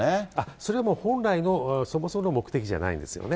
それはもう本来の、そもそもの目的じゃないんですよね。